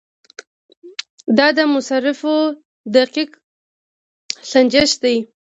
دا د مصارفو دقیق سنجش دی.